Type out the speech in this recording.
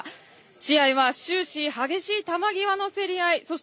試合は終始激しい球際の競り合い。